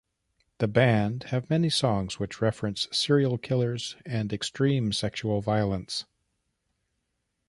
The band have many songs which reference serial killers and extreme sexual violence.